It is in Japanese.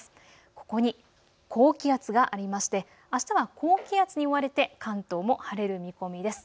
ここに高気圧がありましてあしたは高気圧に覆われて関東も晴れる見込みです。